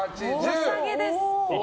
良さげです。